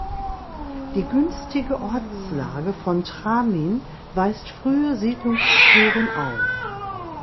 Die günstige Ortslage von Tramin weist frühe Siedlungsspuren auf.